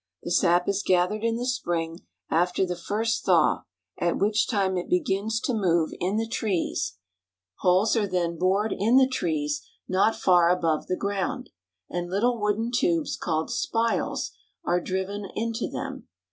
The sap is gathered in the spring, after the first thaw, at which time it begins to move in the trees. 90 NEW ENGLAND. Holes are then bored in the trees not far above the ground, and Httle wooden tubes called spiles are driven into them.